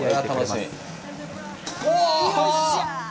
うわ！！